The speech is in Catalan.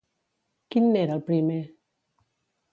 Quin n'era el primer?